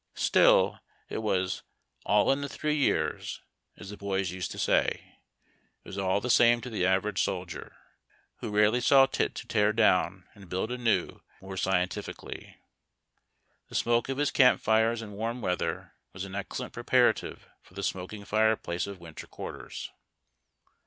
Still, it was " all in the three years,'" as the boys used to say. It was all the same to the average soldier, who rarely saw tit to tear down and build anew more HOW THE SOLDIERS WEliE SHELTERED. 57 scieiitificuUy. The smoke of his camp fires in warm weather was an excellent pi'eparative for the smoking fireplace of winter quarters.